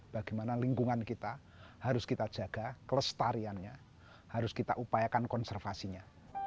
bagaimana lingkungan kita harus kita jaga kelestariannya harus kita upayakan konservasinya